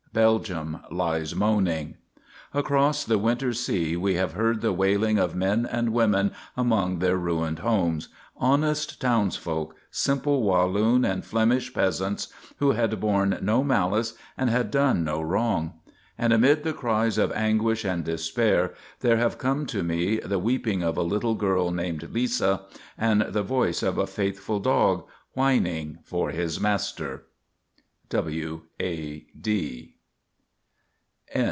_ Belgium lies moaning. _Across the winter sea we have heard the wailing of men and women among their ruined homes honest townsfolk, simple Walloon and Flemish peasants, who had borne no malice and had done no wrong. And amid the cries of anguish and despair there have come to me the weeping of a little girl named Lisa and the voice of a faithful dog whining for his master._ W. A. D.